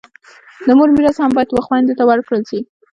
د مور میراث هم باید و خویندو ته ورکړل سي.